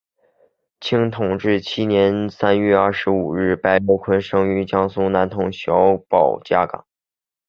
清同治七年三月二十五日白毓昆生于江苏南通小保家巷。